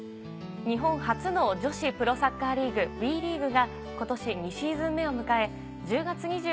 日本初の女子プロサッカーリーグＷＥリーグが今年２シーズン目を迎え。